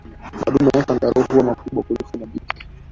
Madume wa kangaroo huwa wakubwa kuliko majike